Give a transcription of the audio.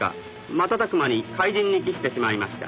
瞬く間に灰じんに帰してしまいました